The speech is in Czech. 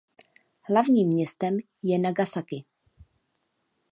Hlavním městem je Nagasaki.